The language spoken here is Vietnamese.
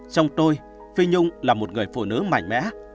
trong tôi phi nhung là một người phụ nữ mạnh mẽ